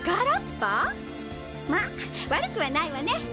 まあわるくはないわね。